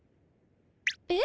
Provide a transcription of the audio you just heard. え？